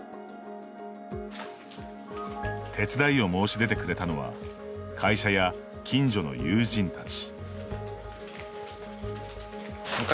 手伝いを申し出てくれたのは会社や近所の友人たち。